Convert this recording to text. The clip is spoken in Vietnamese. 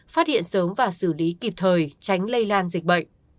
phát hiện sớm và xử lý kịp thời tránh lây lan dịch bệnh